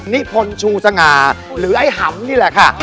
นิพลชูสง่าหรือไอ้หำนี่แหละค่ะ